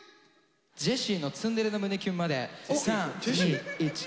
ジェシーのツンデレの胸キュンまで３２１キュー！